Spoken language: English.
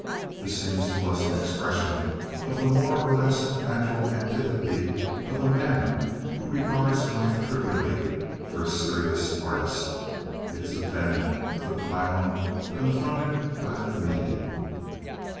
This seems to us an expression of the more or less natural antipathy of a man who regards life trivially for a serious artist. It is the venom of the clown confronted by the comedian.